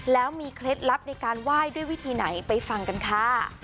แล้วมีเคล็ดลับในการไหว้ด้วยวิธีไหนไปฟังกันค่ะ